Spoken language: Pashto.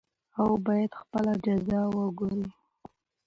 او بايد خپله جزا وګوري .